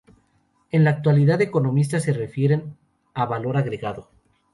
En la actualidad los economistas se refieren a valor agregado.